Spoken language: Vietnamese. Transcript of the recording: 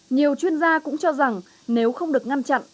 nhiều chuyên gia cũng cho rằng nếu không được ngăn chặn